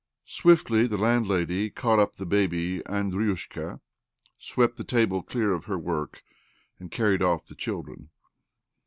Swiftly the landlady caught up the bab Andriusha, swept the table clear of her worli and carried off the children.